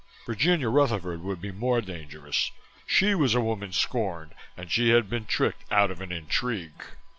Virginia Rutherford would be more dangerous she was a woman scorned and she had been tricked out of an intrigue.